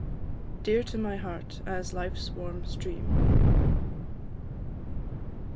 DEAR TO MY HEART AS LIFE'S WARM STREAM.